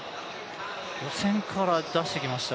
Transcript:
予選から出してきました。